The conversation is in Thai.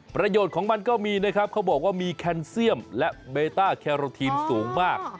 ประโยชน์ของมันก็มีนะครับเขาบอกว่ามีแคนเซียมและเบต้าแคโรทีนสูงมาก